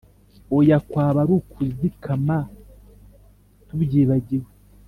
oya, kwaba ari ukuzikama tubyibagiwe!